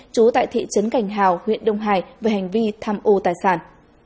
chú tại thị trấn cảnh hào huyện đông hải về hành vi tham ô tài sản